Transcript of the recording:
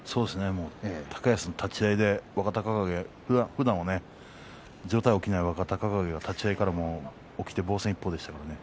高安の立ち合いで若隆景、ふだんは上体が起きない若隆景が上体が起きて防戦一方でしたからね。